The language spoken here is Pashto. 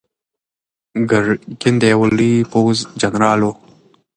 ګرګین د یوه لوی پوځ جنرال و.